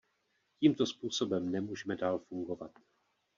Tímto způsobem nemůžeme dál fungovat.